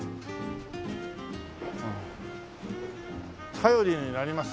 「頼りになります」